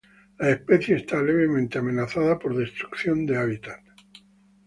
La especie está levemente amenazada por destrucción de hábitat.